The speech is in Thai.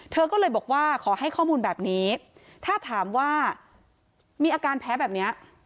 เธอก็เลยบอกว่าขอให้ข้อมูลแบบนี้ถ้าถามว่ามีอาการแพ้แบบเนี้ย